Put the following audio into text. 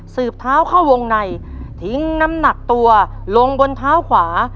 บเท้าเข้าวงในทิ้งน้ำหนักตัวลงบนเท้าขวา